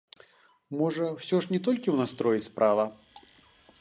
Можа, усё ж не толькі ў настроі справа?